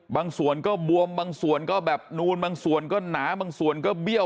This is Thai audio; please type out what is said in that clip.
บางส่วนก็บวมบางส่วนก็แบบนูนบางส่วนก็หนาบางส่วนก็เบี้ยว